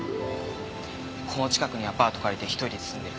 この近くにアパート借りて一人で住んでる。